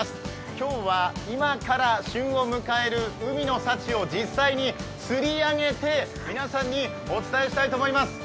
今日は今から旬を迎える海の幸を実際に釣り上げて皆さんにお伝えしたいと思います。